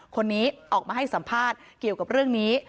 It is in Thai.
คนนี้ออกมาให้สัมภาษณ์เกี่ยวกับเรื่องนี้